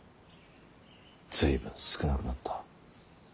随分少なくなった。